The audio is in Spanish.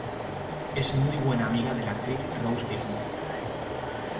Es muy buena amiga de la actriz Rose Byrne.